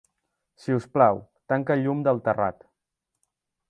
Sisplau, tanca el llum del terrat.